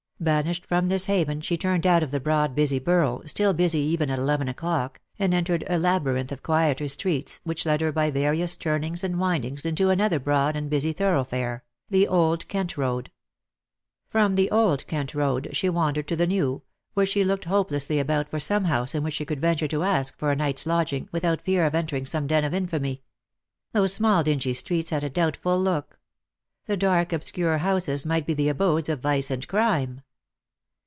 Banished from this haven, she turned out of the broad busy Borough, still busy even at eleven o'clock, and entered a laby rinth of quieter streets, which led her by various turnings and windings into another broad and busy thoroughfare, the Old Kent road. Prom the Old Kent road she wandered to the New, where she looked hopelessly about for some house in which she could venture to ask for a night's lodging without fear of entering some den of infamy. Those small dingy streets had a doubtful look. The dark obscure houses might be the abodes of vice and crime.